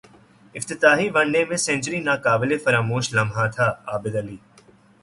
افتتاحی one day میں century ناقابل فراموش لمحہ تھاعابدعلی